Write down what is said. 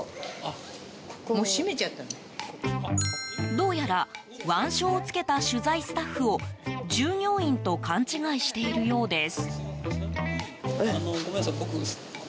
どうやら腕章をつけた取材スタッフを従業員と勘違いしているようです。